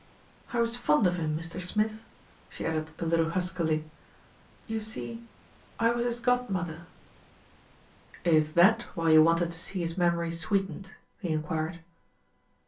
"I was fond of him, Mr. Smith," she added a little huskily. "You see, I was his godmother." 314 THE RETURN OF ALFRED "Is that why you wanted to see his memory sweet ened?" he enquired.